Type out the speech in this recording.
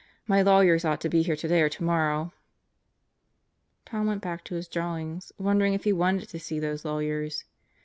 My lawyers ought to be here today or tomorrow. 57 Tom went back to his drawings wondering if he wanted to see those lawyers.